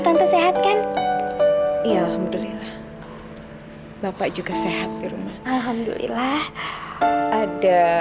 tante sehatkan iya alhamdulillah bapak juga sehat dirumah alhamdulillah ada